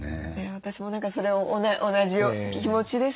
私も何かそれは同じような気持ちです。